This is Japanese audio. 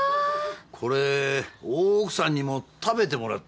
これ大奥さんにも食べてもらったらいい。